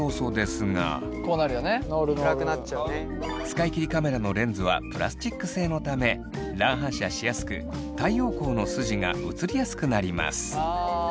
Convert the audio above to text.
使い切りカメラのレンズはプラスチック製のため乱反射しやすく太陽光の筋が写りやすくなります。